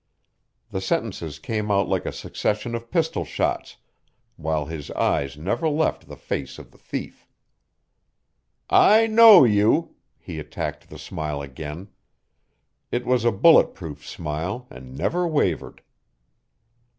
The sentences came out like a succession of pistol shots, while his eyes never left the face of the thief. "I know you," he attacked the smile again. It was a bullet proof smile and never wavered.